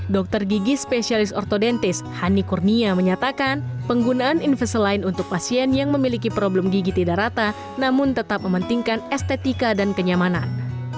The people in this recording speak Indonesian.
dokter gigi spesialis ortodentis hani kurnia menyatakan penggunaan invisaline untuk pasien yang memiliki problem gigi tidak rata namun tetap mementingkan estetika dan kenyamanan